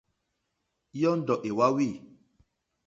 Yɔ́ndɔ̀ é wáwî.